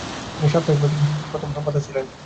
তিনি সাপ্তাহিক পত্রিকা হিতবাদীর প্রথম সম্পাদক ছিলেন ।